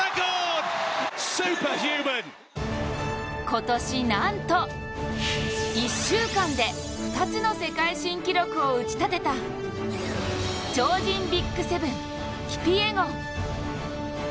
今年なんと１週間で２つの世界新記録を打ちたてた超人ＢＩＧ７、キピエゴン。